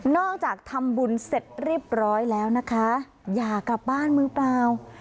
จากทำบุญเสร็จเรียบร้อยแล้วนะคะอย่ากลับบ้านมือเปล่า